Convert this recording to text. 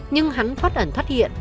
nhưng hắn thoát ẩn thoát hiện